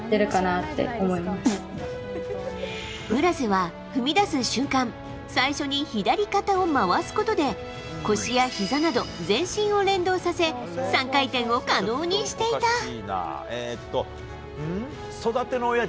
村瀬は、踏み出す瞬間最初に左肩を回すことで腰やひざなど全身を連動させ３回転を可能にしていた。